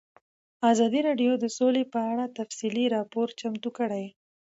ازادي راډیو د سوله په اړه تفصیلي راپور چمتو کړی.